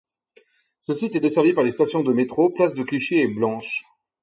Ce site est desservi par les stations de métro Place de Clichy et Blanche.